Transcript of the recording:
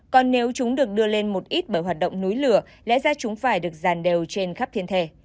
còn nếu chúng được đưa lên một ít bởi hoạt động núi lửa lẽ ra chúng phải được dàn đều trên khắp thiên thể